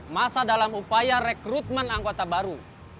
masa dalam upaya rekrutmen anggota baru